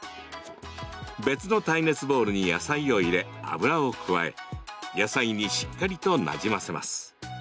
別の耐熱ボウルに野菜を入れ油を加え、野菜にしっかりとなじませます。